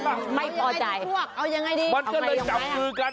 นั่นไงก็เลยว่ามันมีไส้สึกมั้ย